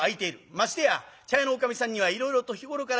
ましてや茶屋のおかみさんにはいろいろと日頃から義理がございます。